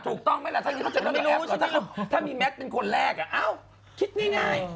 ถูกต้องไหมถ้าไม่รู้ถ้ามีแม็กซ์เป็นคนแรกคิดง่าย